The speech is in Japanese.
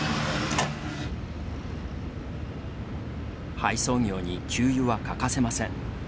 配送業に給油は欠かせません。